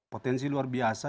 potensi luar biasa